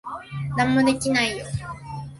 何もできないよ。